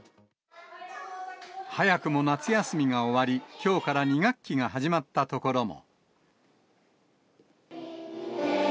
早くも夏休みが終わり、きょうから２学期が始まったところも。